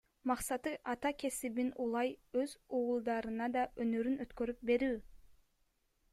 Максаты — ата кесибин улай өз уулдарына да өнөрүн өткөрүп берүү.